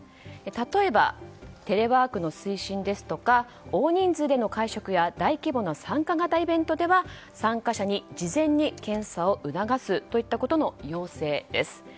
例えばテレワークの推進ですとか大人数での会食や大規模な参加型イベントでは参加者に事前に検査を促すといったことの要請です。